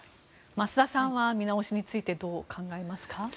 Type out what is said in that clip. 増田さんは見直しについてどう考えますか？